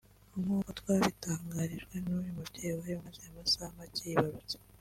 nk'uko twabitangarijwe n'uyu mubyeyi wari umaze amasaha make yibarutse